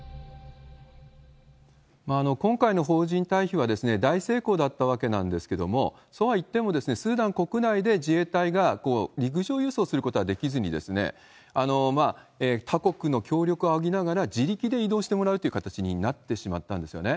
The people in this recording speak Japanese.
今回の邦人退避は大成功だったわけなんですけれども、そうはいっても、スーダン国内で自衛隊が陸上輸送することはできずに、他国の協力をあおぎながら自力で移動してもらうという形になってしまったんですよね。